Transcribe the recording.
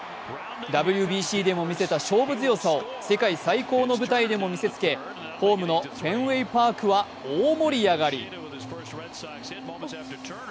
ＷＢＣでも見せた勝負強さを世界最高の舞台でも見せつけホームのフェンウェイ・パークは大盛り上がり。